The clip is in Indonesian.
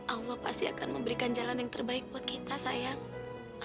allah pasti akan memberikan jalan yang terbaik buat kita sayang